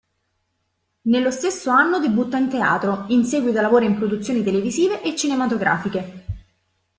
Nello stesso anno debutta in teatro, in seguito lavora in produzioni televisive e cinematografiche.